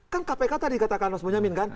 kan kpk tadi katakan mas bonyamin kan